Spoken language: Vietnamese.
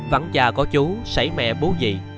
vắng trà có chú sảy mẹ bú dị